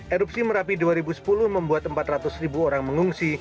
erupsi merapi dua ribu sepuluh membuat empat ratus ribu orang mengungsi